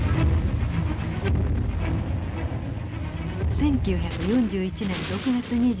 １９４１年６月２２日。